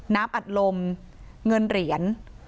น้ำอัดลมเงินเหรียญ